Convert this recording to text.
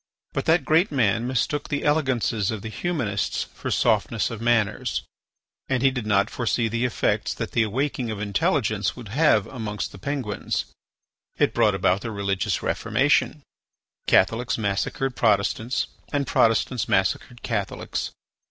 But that great man mistook the elegances of the humanists for softness of manners, and he did not foresee the effects that the awaking of intelligence would have amongst the Penguins. It brought about the religious Reformation; Catholics massacred Protestants and Protestants massacred Catholics.